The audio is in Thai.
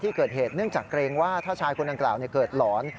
ที่เกิดเหตุเนื่องจากเกรงว่าถ้าชายคนดังกล่าวเกิดหลอน